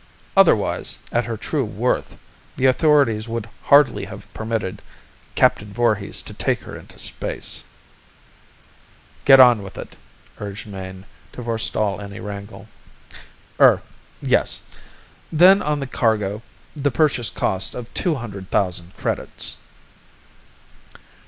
Otherwise, at her true worth, the authorities would hardly have permitted Captain Voorhis to take her into space " "Get on with it," urged Mayne, to forestall any wrangle. "Er ... yes. Then on the cargo, the purchase cost of two hundred thousand credits."